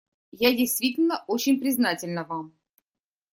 Я действительно очень признательна вам.